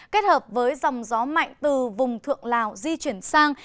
kết hợp với dòng gió mạnh từ vùng thượng lào di chuyển sang